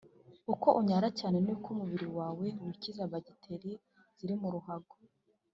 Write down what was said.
uko unyara cyane niko umubiri wawe wikiza bagiteri ziri mu ruhago